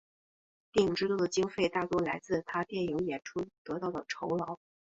电影制作的经费大多来自他电影演出得到的酬劳。